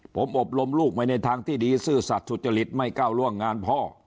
ผมอบรมลูกไปในทางที่ดีซื่อสัตว์สุจริตไม่ก้าวล่วงงานพ่อ